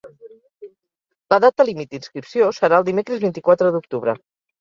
La data límit d’inscripció serà el dimecres vint-i-quatre d’octubre.